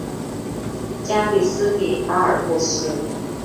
加的斯的巴尔布斯。